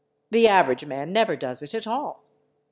The average man never does it at all.